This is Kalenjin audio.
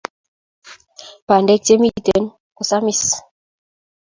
Bandek che miten ko samis